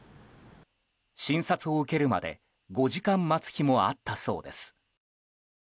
診察を受けるまで５時間待つ日もあったそうです。